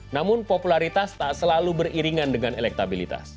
namun popularitas tak selalu beriringan dengan elektabilitas